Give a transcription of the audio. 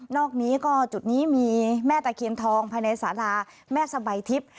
นอกนี้ก็จุดนี้มีแม่ตะเคียนทองภายในสาธารณ์แม่สะใบทิศ